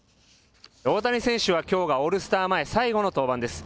大谷選手はきょうがオールスター前、最後の登板です。